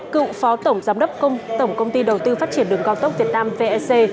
hai cựu phó tổng giám đốc tổng công ty đầu tư phát triển đường cao tốc việt nam vsc